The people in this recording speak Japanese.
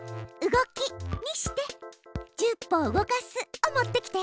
「動き」にして「１０歩動かす」を持ってきて。